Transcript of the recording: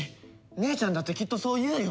姉ちゃんだってきっとそう言うよ！